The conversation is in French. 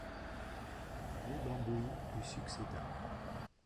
Mibambwe lui succéda.